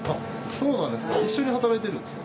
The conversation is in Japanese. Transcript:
そうなんですか。